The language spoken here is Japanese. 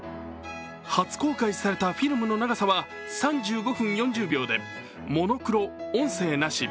初公開されたフィルムの長さは３５分４０秒で、モノクロ、音声なし。